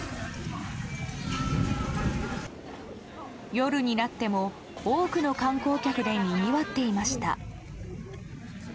夜になっても多くの観光客でにぎわっていました。